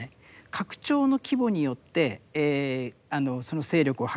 拡張の規模によってその勢力を図ると。